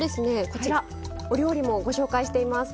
こちらお料理もご紹介しています。